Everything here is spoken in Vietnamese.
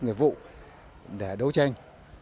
nghiệp vụ để đấu tranh